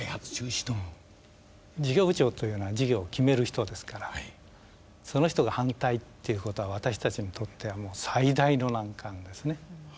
事業部長というのは事業を決める人ですからその人が反対ということは私たちにとってはもう最大の難関ですね。